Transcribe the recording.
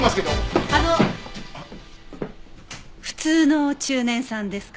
普通の中年さんですか？